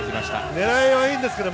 狙いはいいんですけどね。